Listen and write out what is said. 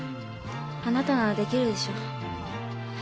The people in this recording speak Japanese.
あなたならできるでしょ？